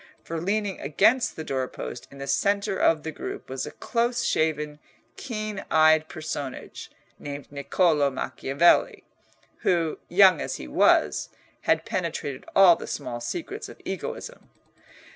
For leaning against the door post in the centre of the group was a close shaven, keen eyed personage, named Niccolò Macchiavelli, who, young as he was, had penetrated all the small secrets of egoism.